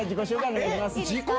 お願いします。